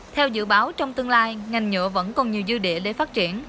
theo dự báo trong tương lai ngành nhựa vẫn còn nhiều dư địa để phát triển